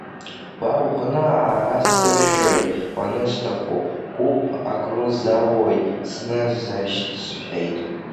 Уа уҟны аара сықәшәоит, уанысҭаху, Гәыԥ агрузауои сзынашьҭ, — сҳәеит.